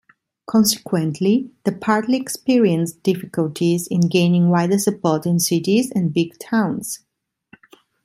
Consequently, the party experienced difficulties in gaining wider support in cities and big towns.